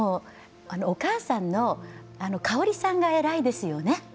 お母さんのあの香さんがえらいですよね。